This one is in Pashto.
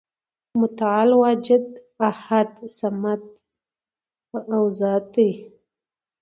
متعال واجد، احد، صمد او ذات دی ،